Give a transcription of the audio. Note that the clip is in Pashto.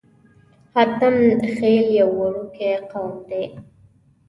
حاتم خيل يو وړوکی قوم دی.